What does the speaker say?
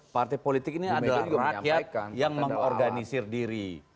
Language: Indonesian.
partai politik ini adalah rakyat yang mengorganisir diri